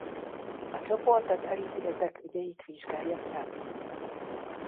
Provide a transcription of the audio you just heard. A csoport az elítéltek ügyeit vizsgálja felül.